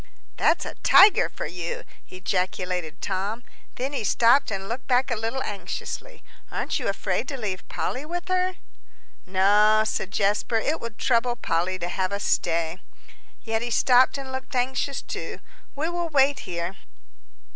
"That's a tiger for you!" ejaculated Tom. Then he stopped and looked back a little anxiously. "Aren't you afraid to leave Polly with her?" "No," said Jasper; "it would trouble Polly to have us stay." Yet he stopped and looked anxious too. "We will wait here."